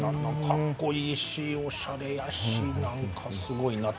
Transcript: かっこいいしおしゃれやし何かすごいな。